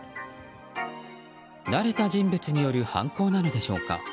慣れた人物による犯行なのでしょうか。